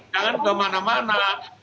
jangan ke mana mana